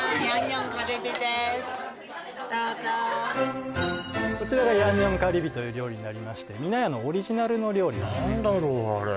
どうぞこちらがヤンニョムカリビという料理になりまして美名家のオリジナルの料理ですね